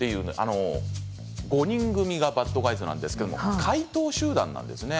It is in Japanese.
５人組がバッドガイズなんですけど怪盗集団なんですね。